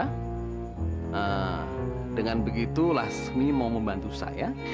nah dengan begitu lasmi mau membantu saya